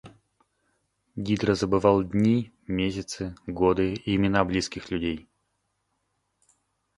Дидро забывал дни, месяцы, годы и имена близких людей.